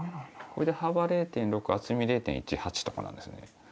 これで幅０．６厚み０．１８とかなんですね。